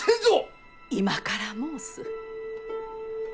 今から申す。